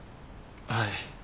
はい。